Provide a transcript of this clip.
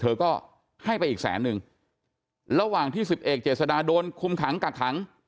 เธอก็ให้ไปอีกแสนนึงระหว่างที่สิบเอกเจษดาโดนคุมขังกักขัง